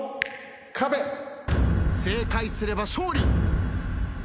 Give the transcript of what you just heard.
正解すれば勝利。